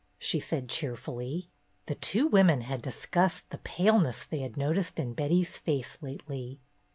" she said cheerfully. The two women had discussed the paleness they had noticed in Betty's face lately.